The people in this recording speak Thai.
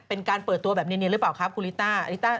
เป็นการเปิดตัวแบบเนียนหรือเปล่าครับคุณลิต้าลิต้า